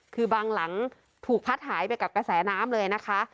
คือบางหลังถูกพัดหายไปกับกระแสน้ำเลยนะคะ